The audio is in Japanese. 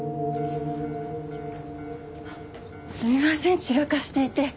すみません散らかしていて。